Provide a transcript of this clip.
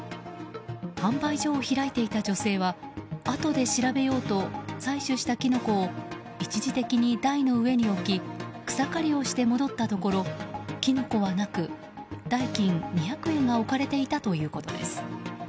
販売所を開いていた女性はあとで調べようと採取したキノコを一時的に台の上に置き草刈りをして戻ったところキノコはなく代金２００円が置かれていたということです。